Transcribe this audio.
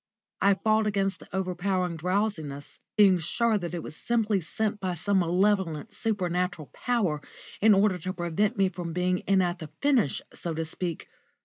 I fought against the overpowering drowsiness, being sure that it was simply sent by some malevolent, supernatural power, in order to prevent me from being in at the finish, so to speak.